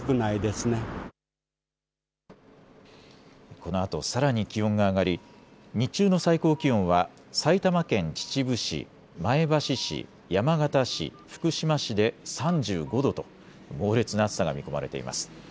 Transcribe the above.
このあとさらに気温が上がり日中の最高気温は埼玉県秩父市、前橋市、山形市、福島市で３５度と猛烈な暑さが見込まれています。